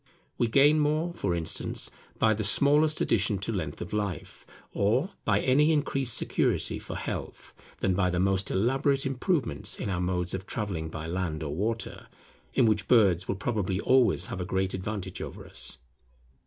We gain more, for instance, by the smallest addition to length of life, or by any increased security for health, than by the most elaborate improvements in our modes of travelling by land or water, in which birds will probably always have a great advantage over us.